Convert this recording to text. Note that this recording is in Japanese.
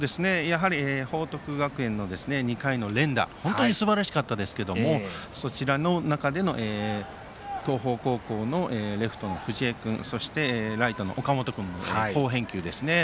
報徳学園の２回の連打は本当にすばらしかったですが東邦高校のレフトの藤江君そして、ライトの岡本君の好返球ですね。